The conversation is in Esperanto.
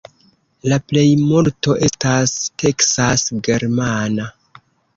La plejmulto estas teksas-germana.